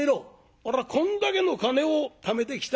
おらこんだけの金をためてきた。